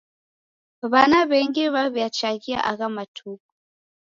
Wana w'engi w'aw'iachaghia agha matuku.